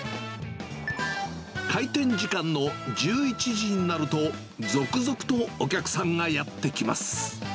開店時間の１１時になると、続々とお客さんがやって来ます。